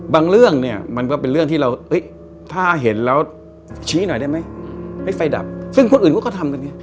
เรื่องเนี่ยมันก็เป็นเรื่องที่เราถ้าเห็นแล้วชี้หน่อยได้ไหมให้ไฟดับซึ่งคนอื่นเขาก็ทำกันไง